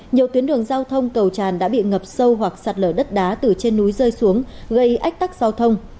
nhiều tuyến đường giao thông cầu tràn đã bị ngập sâu hoặc sạt lở đất đá từ trên núi rơi xuống gây ách tắc giao thông